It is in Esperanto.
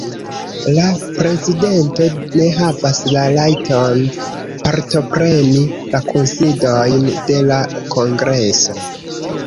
La prezidento ne havas la rajton partopreni la kunsidojn de la kongreso.